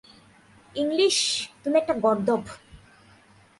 English, তুমি একটা গর্দভ।